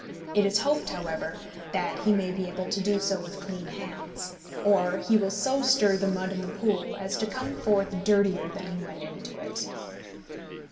It is hoped, however, that he may be able to do so with clean hands, or he will so stir the mud in the pool as to come forth dirtier than he went into it.